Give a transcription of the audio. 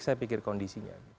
saya pikir kondisinya